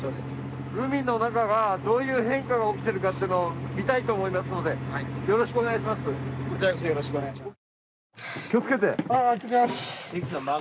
海の中がどういう変化が起きているかというのを見たいと思いますので、よろしくお願いします。